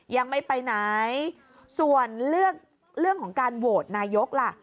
ยังไม่ไปไหนส่วนเลือกเรื่องของการโหวตนายกล่ะ